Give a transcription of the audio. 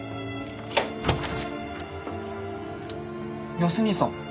康兄さん。